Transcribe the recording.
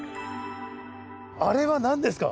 あれは何ですか？